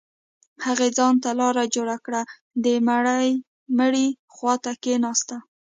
هغې ځان ته لاره جوړه كړه د مړي خوا ته كښېناسته.